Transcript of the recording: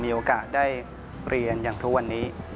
มีโอกาสได้เรียนอย่างทุกวันนี้